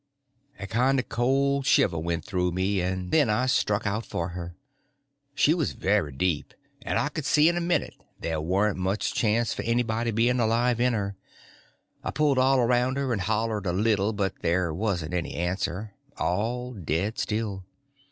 A kind of cold shiver went through me, and then I struck out for her. She was very deep, and I see in a minute there warn't much chance for anybody being alive in her. I pulled all around her and hollered a little, but there wasn't any answer; all dead still.